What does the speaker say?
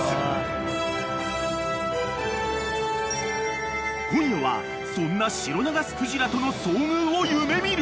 ［今夜はそんなシロナガスクジラとの遭遇を夢見る］